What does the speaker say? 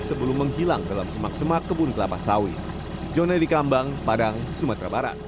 sebelum menghilang dalam semak semak kebun kelapa sawit